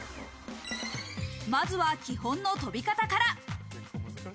まずは基本の跳び方から。